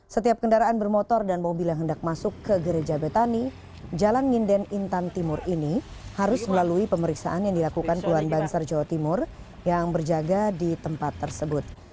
setiap kendaraan bermotor dan mobil yang hendak masuk ke gereja betani jalan nginden intan timur ini harus melalui pemeriksaan yang dilakukan puluhan banser jawa timur yang berjaga di tempat tersebut